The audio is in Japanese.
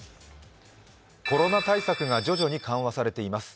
コロナ対策が徐々に緩和されています。